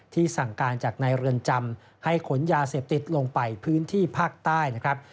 สั่งการจากในเรือนจำให้ขนยาเสพติดลงไปพื้นที่ภาคใต้นะครับ